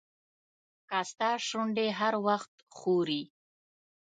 که ستا شونډې هر وخت ښوري.